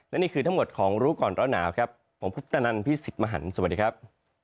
และนี่คือทั้งหมดของรู้ก่อนร้อนหนาวครับผมพุทธนันพี่สิทธิ์มหันฯสวัสดีครับ